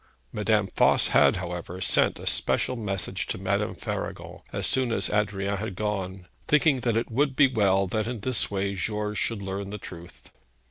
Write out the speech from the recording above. Madame Voss had, however, sent a special message to Madame Faragon, as soon as Adrian had gone, thinking that it would be well that in this way George should learn the truth.